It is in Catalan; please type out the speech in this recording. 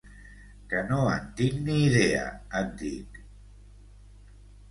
Que no en tinc ni idea et dic!